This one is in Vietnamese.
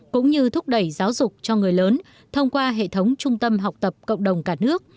cũng như thúc đẩy giáo dục cho người lớn thông qua hệ thống trung tâm học tập cộng đồng cả nước